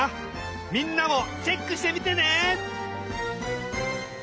みんなもチェックしてみてね！